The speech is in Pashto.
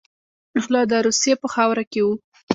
غله د روسیې په خاوره کې وو.